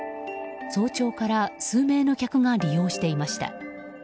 早朝から数名の客が利用していました。